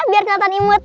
biar keliatan imut